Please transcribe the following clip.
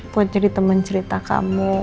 buat jadi teman cerita kamu